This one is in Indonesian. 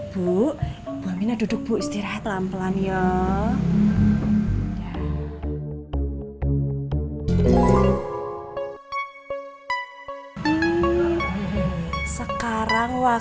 bu bu aminah duduk bu istirahatlah pelan pelan ya